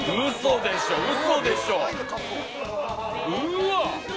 ・うわ！